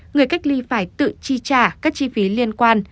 người cách ly phải tự chi trả